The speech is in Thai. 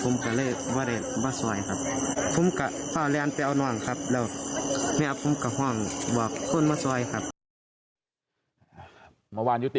ไม่หมาเฝอ